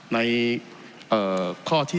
ในข้อที่๓